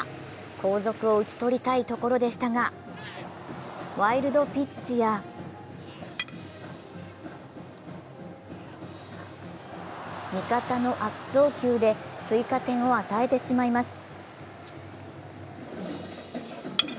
後続を打ち取りたいところでしたがワイルドピッチや味方の悪送球で追加点を与えてしまいます。